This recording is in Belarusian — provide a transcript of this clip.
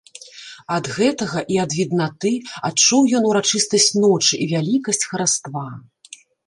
Ад гэтага і ад віднаты адчуў ён урачыстасць ночы і вялікасць хараства.